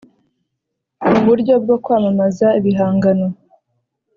mu buryo bwo kwamamaza ibihangano